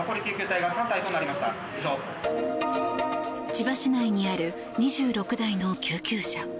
千葉市内にある２６台の救急車。